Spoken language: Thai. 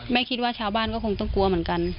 คิดว่าชาวบ้านก็คงต้องกลัวเหมือนกัน